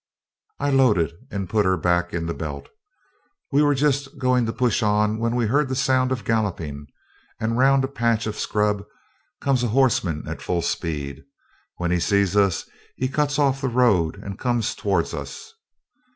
I loaded and put her back in the belt. We were just going to push on when we heard the sound of galloping, and round a patch of scrub comes a horseman at full speed. When he sees us he cuts off the road and comes towards us.